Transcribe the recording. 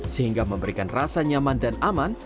sehingga memberikan rasa nyaman dan aman